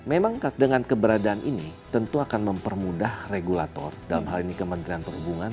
memang dengan keberadaan ini tentu akan mempermudah regulator dalam hal ini kementerian perhubungan